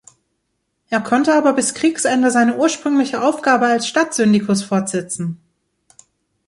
Er konnte aber bis Kriegsende seine ursprüngliche Aufgabe als Stadtsyndikus fortsetzten.